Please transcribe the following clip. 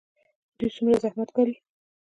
دوی څومره زحمت ګالي؟